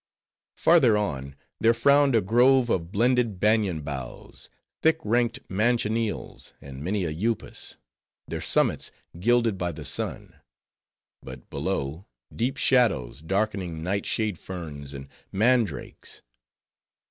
Farther on, there frowned a grove of blended banian boughs, thick ranked manchineels, and many a upas; their summits gilded by the sun; but below, deep shadows, darkening night shade ferns, and mandrakes.